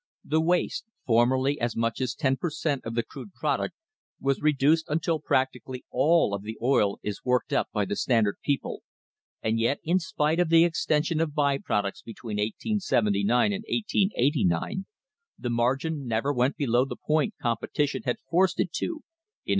The waste, formerly as much as ten per cent, of the crude product, was reduced until practi cally all of the oil is worked up by the Standard people, and yet, in spite of the extension of by products between 1879 and 1889, the margin never went below the point competition had forced it to in 1879.